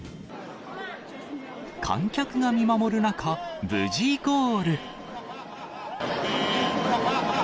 観客が見守る中、無事ゴール。